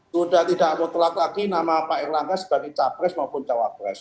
sudah tidak mutlak lagi nama pak erlangga sebagai capres maupun cawapres